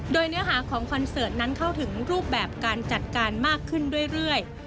โดยเนื้อหาของคอนเสิร์ตนั้นเข้าถึงรูปแบบการจัดการมากขึ้นเรื่อย